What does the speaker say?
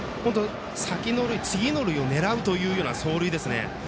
先の塁、次の塁を狙うというような走塁ですね。